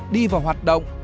đi vào hoạt động